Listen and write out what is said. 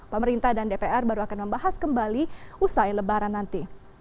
pemerintah dan dpr baru akan membahas kembali usai lebaran nanti